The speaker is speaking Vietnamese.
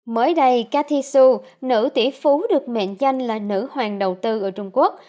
mới đây cathy xu nữ tỷ phú được mệnh danh là nữ hoàng đầu tư ở trung quốc